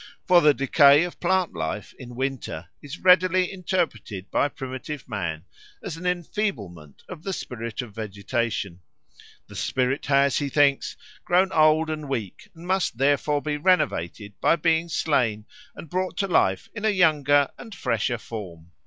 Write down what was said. For the decay of plant life in winter is readily interpreted by primitive man as an enfeeblement of the spirit of vegetation; the spirit has, he thinks, grown old and weak and must therefore be renovated by being slain and brought to life in a younger and fresher form.